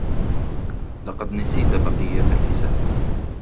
لقد نسيتَ بقية الحساب.